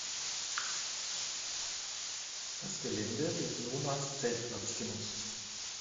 Das Gelände wird nun als Zeltplatz genutzt.